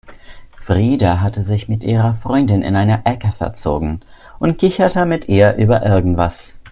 Frida hatte sich mit ihrer Freundin in eine Ecke verzogen und kicherte mit ihr über irgendwas.